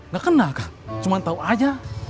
gak kenal kang cuma tahu aja